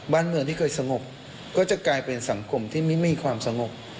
บ้านเมืองที่เคยสงบก็จะกลายเป็นสังคมที่ไม่มีความสงบ